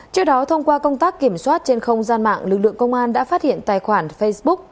trước đó thông qua công tác kiểm soát trên không gian mạng lực lượng công an đã phát hiện tài khoản facebook